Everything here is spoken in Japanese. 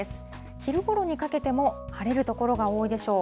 昼ごろにかけても晴れる所が多いでしょう。